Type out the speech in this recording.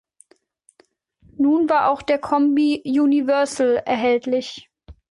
Nun war auch der Kombi "Universal" erhältlich.